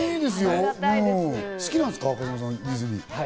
好きなんですか？